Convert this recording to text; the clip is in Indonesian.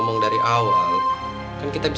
menjyebut r pairs